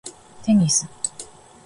テニス